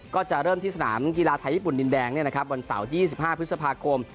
ก็จะเริ่มที่สนามกีฬาไทยญี่ปุ่นดินแดงวันเสาร์๒๕พฤษภาคม